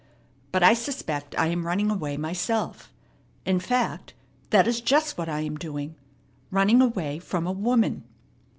But I suspect I am running away myself. In fact, that is just what I am doing, running away from a woman!"